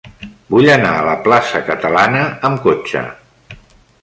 Vull anar a la plaça Catalana amb cotxe.